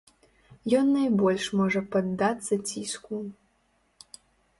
Ён найбольш можа паддацца ціску.